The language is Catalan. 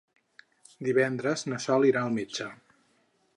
Divendres na Sol irà al metge.